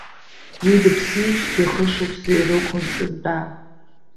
Уи дыԥсижьҭеи хышықәса ирықәын сынтәа.